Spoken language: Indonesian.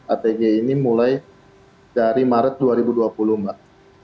atg ini mulai dari maret dua ribu dua puluh mbak